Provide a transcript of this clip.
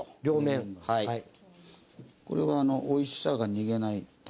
これはおいしさが逃げないために。